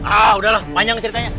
ah udahlah panjang ceritanya